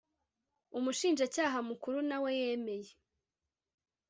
umushinjacyaha mukuru na we yemeye